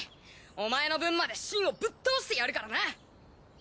お前の分までシンをぶっ倒してやるからな！